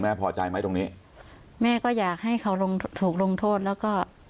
ม่าก็อย่างความอยากให้นะคะลงที่ถูกลงโทษแล้วก็